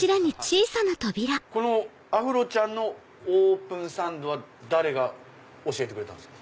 このアフロちゃんのオープンサンドは誰が教えてくれたんですか？